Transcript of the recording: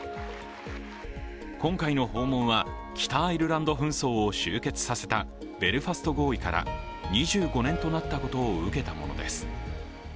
今回の訪問は北アイルランド紛争を終結させたベルファスト合意から２５年となったことを受けたものです。